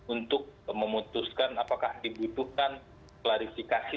untuk memutuskan apakah dibutuhkan klarifikasi